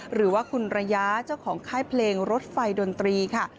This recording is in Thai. หรือว่าคุณระยะเจ้าของค่ายเพลงรถไฟดนตรีค่ะ